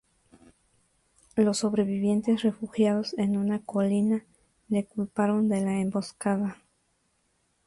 Los sobrevivientes, refugiados en una colina, le culparon de la emboscada.